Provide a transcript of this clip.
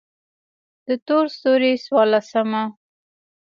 د تور ستوري څوارلسمه: